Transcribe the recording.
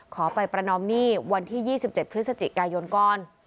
ขอไปประนอมหนี้วันที่๒๗พฤศจิกายนก่อน